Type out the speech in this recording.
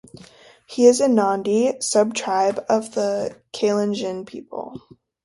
He is a Nandi, sub-tribe of the Kalenjin people.